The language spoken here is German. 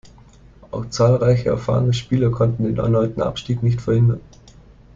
Auch zahlreiche erfahrene Spieler konnten den erneuten Abstieg nicht verhindern.